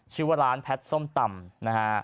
ชื่อว่าร้านแพทส้มตำ